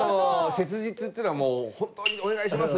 切実っていうのはもう「本当にお願いします！」